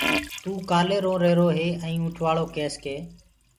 توٚ ڪآلي روهيروئي ائيٚنٚ اُنٚٺ وآݪو ڪيس ڪي